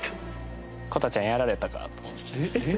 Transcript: こたちゃんやられたかなって。